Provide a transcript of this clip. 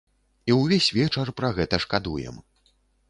І ўвесь вечар пра гэта шкадуем.